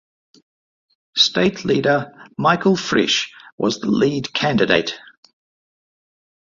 State leader Michael Frisch was the lead candidate.